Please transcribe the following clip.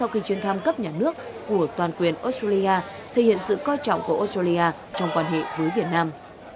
sau khi chuyến thăm cấp nhà nước của toàn quyền australia thể hiện sự coi trọng của australia trong quan hệ với việt nam